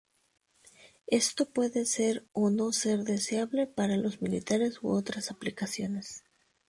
Esto puede ser o no ser deseable para los militares u otras aplicaciones.